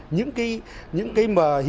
những cái mà hiện nay nó đang lóng ở ngoài xã hội